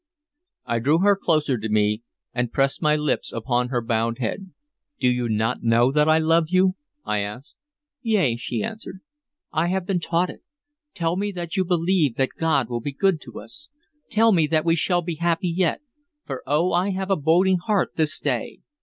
I drew her closer to me and pressed my lips upon her bowed head. "Do you not know that I love you?" I asked. "Yea," she answered. "I have been taught it. Tell me that you believe that God will be good to us. Tell me that we shall be happy yet; for oh, I have a boding heart this day!"